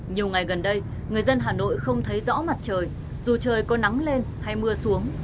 nhiều ngày gần đây người dân hà nội không thấy rõ mặt trời dù trời có nắng lên hay mưa xuống